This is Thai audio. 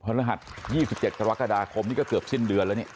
เพราะรหัส๒๗ตระวักษณ์กระดาษคมนี่ก็เกือบสิ้นเดือนแล้วนี่